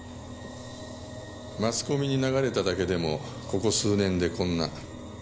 マスコミに流れただけでもここ数年でこんな。